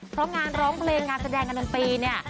เพราะงานร้องเพลงงานแสดงการดนตรีเนี่ย